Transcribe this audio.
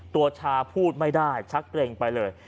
ตัวชาพูดไม่ได้ชักเกร็งไปเลย